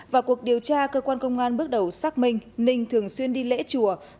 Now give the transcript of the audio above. vào cuộc điều tra cơ quan công an bước đầu xác minh ninh thường xuyên đi lễ chùa